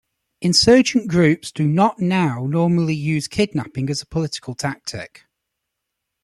Insurgent groups do not now normally use kidnapping as a political tactic.